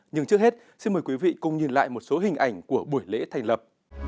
nhưng trước hết xin mời quý vị cùng nhìn lại một số hình ảnh của buổi lễ thành lập